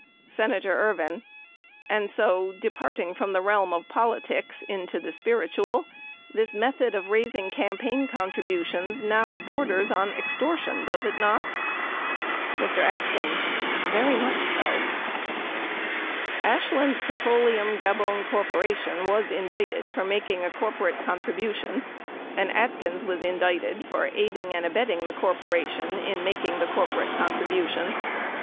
Senator Ervin. And so departing from the realm of poli tics into the spiritual, the method of raising campaign contri butions now borders on extortion, does it not ? Mr. Atkins. Very much so. 49 Ashland Petroleum Gabon Corp. was indicted for making a cor porate contribution, and Atkins was indicted for aiding and abetting the corporation in making the corporate contribution.